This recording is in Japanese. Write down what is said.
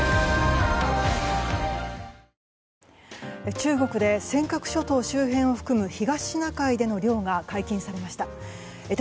中国で尖閣諸島周辺を含む東シナ海での漁が解禁されました。